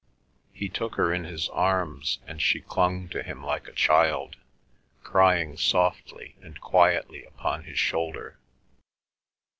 He took her in his arms, and she clung to him like a child, crying softly and quietly upon his shoulder.